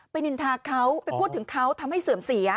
นินทาเขาไปพูดถึงเขาทำให้เสื่อมเสีย